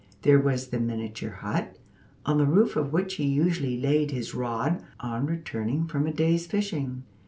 There was the miniature hut, on the roof of which he usually laid his rod on returning from a day's fishing.